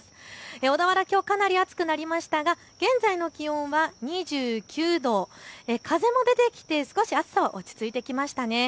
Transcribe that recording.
小田原、きょうは暑くなりましたが現在の気温は２９度、風も出てきて少し暑さは落ち着いてきました。